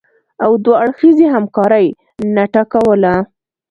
او دوه اړخیزې همکارۍ نټه کوله